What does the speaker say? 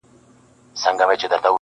له اغيار سره يې كړي پيوندونه-